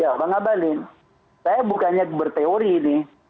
ya bang abalin saya bukannya berteori nih